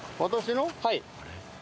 はい。